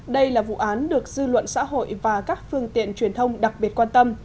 đây là vụ án được dư luận xã hội và các phương tiện truyền thông đặc biệt quan tâm